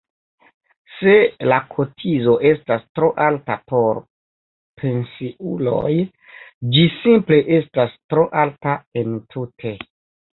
Se la kotizo estas tro alta por pensiuloj, ĝi simple estas tro alta entute.